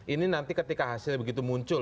ini nanti ketika hasilnya begitu muncul